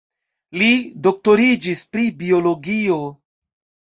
Li doktoriĝis pri biologio.